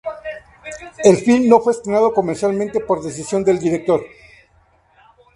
El "film" no fue estrenado comercialmente por decisión del director.